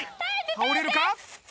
倒れるか？